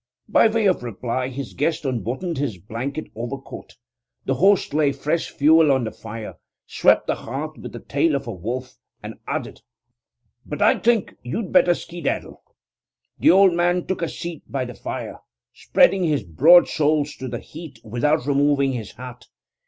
By way of reply, his guest unbuttoned the blanket overcoat. The host laid fresh fuel on the fire, swept the hearth with the tail of a wolf, and added: 'But I think you'd better skedaddle.' The old man took a seat by the fire, spreading his broad soles to the heat without removing his hat.